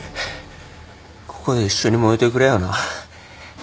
ここで一緒に燃えてくれよな。